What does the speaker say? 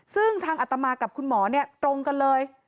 ซึ่งทางอัตมากับคุณหมอเนี่ยตรงกันเลย